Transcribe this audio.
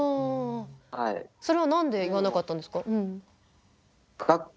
それは何で言わなかったんですか？